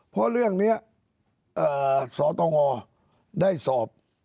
เพราะเรื่องนี้สตงได้สอบ